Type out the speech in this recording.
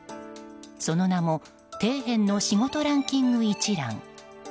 その名も底辺の仕事ランキング一覧。